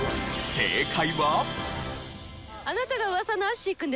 正解は。